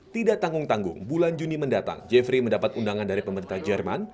tidak tanggung tanggung bulan juni mendatang jeffrey mendapat undangan dari pemerintah jerman